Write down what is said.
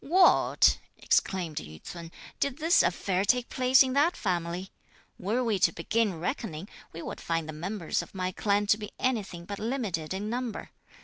"What!" exclaimed Yü ts'un, "did this affair take place in that family? Were we to begin reckoning, we would find the members of my clan to be anything but limited in number.